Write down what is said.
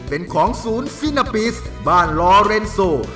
เป็นของศูนย์ฟินาปิสบ้านลอเรนโซ